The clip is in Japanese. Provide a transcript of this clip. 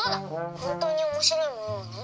本当におもしろいものはね